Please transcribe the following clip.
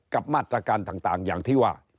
กับมาตรการต่างอย่างที่ว่า